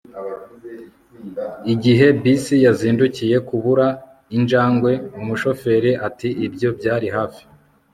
igihe bisi yazindukiye kubura injangwe, umushoferi ati ibyo byari hafi